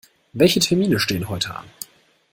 Welche Termine stehen heute an?